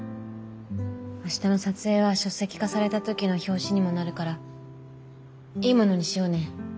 明日の撮影は書籍化された時の表紙にもなるからいいものにしようね。